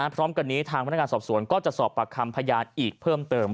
พร้อมกันนี้ทางพนักงานสอบสวนก็จะสอบปากคำพยานอีกเพิ่มเติม